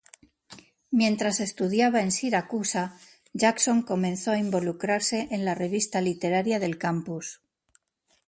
Mientras estudiaba en Siracusa, Jackson comenzó a involucrarse en la revista literaria del campus.